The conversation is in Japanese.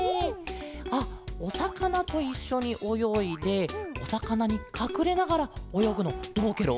あっおさかなといっしょにおよいでおさかなにかくれながらおよぐのどうケロ？